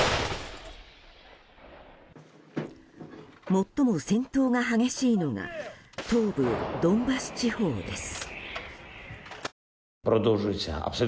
最も戦闘が激しいのが東部ドンバス地方です。